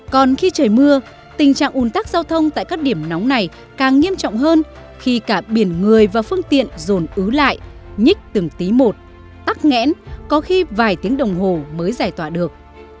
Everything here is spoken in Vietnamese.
còn khi trời mưa tình trạng ủn tắc giao thông tại các điểm nóng này càng nghiêm trọng hơn khi cả biển người và phương tiện dồn ứ lại nhích từng tí một tắc nghẽn có khi vài tiếng đồng hồ mới giải tỏa được